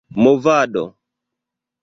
movado